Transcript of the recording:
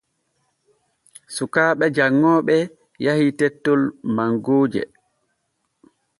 Sukaaɓe janŋooɓe yahii tettol mangooje.